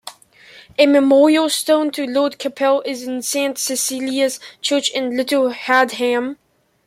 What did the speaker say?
A memorial stone to Lord Capell is in Saint Cecelia's Church in Little Hadham.